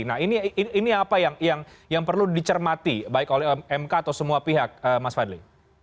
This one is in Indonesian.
nah ini apa yang perlu dicermati baik oleh mk atau semua pihak mas fadli